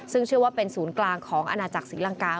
ซึ่งเชื่อว่าเป็นศูนย์กลางของอาณาจักรศรีลังกา